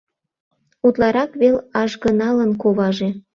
Утларак вел ажгыналын куваже;